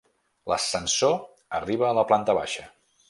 L'ascensor arriba a la planta baixa.